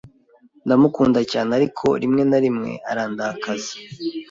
Ndamukunda cyane, ariko rimwe na rimwe arandakaza.